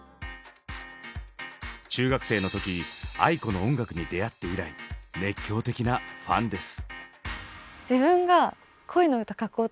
中学生の時ａｉｋｏの音楽に出会って以来熱狂的なファンです。